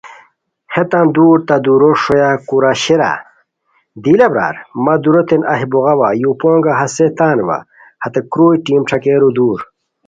ہیتان دُور تہ دُورو ݰویا کورا شیرا؟ دی لہ برار مہ دُوروتین ایہہ بوغاوا یو پونگہ ہیس تان وا، ہتے کروئی ٹیم ݯاکئیرو دُور